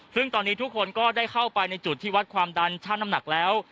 ซึ่งตอนนี้ทุกคนก็ได้เข้าไปในจุดที่วัดความดันช่างน้ำหนักแล้ว